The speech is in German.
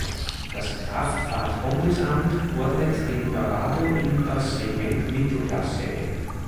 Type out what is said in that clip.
Das Kraftfahrt-Bundesamt ordnet den Corrado in das Segment Mittelklasse ein.